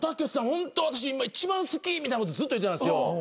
ホント私今一番好き」みたいなことずっと言ってたんですよ。